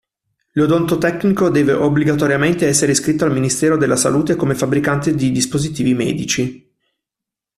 L'odontotecnico deve obbligatoriamente esser iscritto al ministero della salute come fabbricante di dispositivi medici.